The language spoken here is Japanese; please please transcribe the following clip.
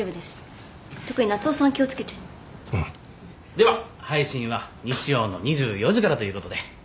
では配信は日曜の２４時からということで。